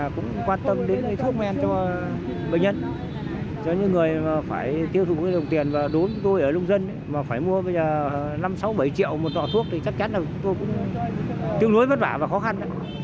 cho những người mà phải tiêu thụ cái đồng tiền và đốn tôi ở lông dân mà phải mua năm sáu bảy triệu một tọa thuốc thì chắc chắn là tôi cũng tương đối vất vả và khó khăn